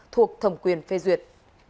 thuộc thẩm quyền phê duyệt